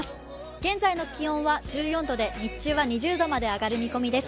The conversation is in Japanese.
現在の気温は１４度で日中は２０度まで上がる見込みです。